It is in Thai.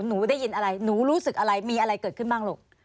หนูได้ยินอะไรหนูรู้สึกอะไรมีอะไรเกิดขึ้นบ้างลูก